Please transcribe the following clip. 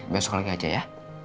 besok lagi aja ya